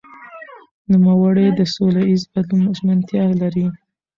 نوموړي د سولهییز بدلون ژمنتیا لري.